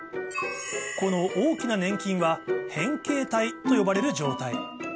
この大きな粘菌は変形体と呼ばれる状態